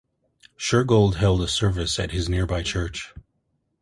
Shergold held a service at his nearby church.